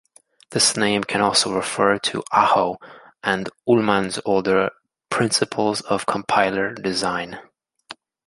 This name can also refer to Aho and Ullman's older "Principles of Compiler Design".